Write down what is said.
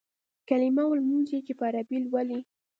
کلیمه او لمونځ چې په عربي لولې.